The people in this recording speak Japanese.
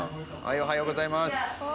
おはようございます。